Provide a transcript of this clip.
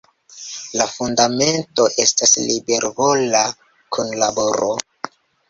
La fundamento estas libervola kunlaboro.